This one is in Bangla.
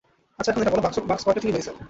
আচ্ছা এখন এটা বলো, বাক্স কয়টা চুরি হইছে?